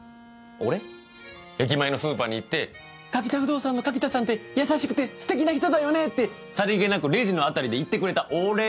駅前のスーパーに行って「柿田不動産の柿田さんって優しくてステキな人だよね」ってさりげなくレジの辺りで言ってくれたお礼。